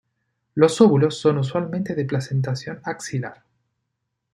Los óvulos son usualmente de placentación axilar.